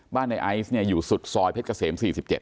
ในไอซ์อยู่สุดซอยเพชรเกษม๔๗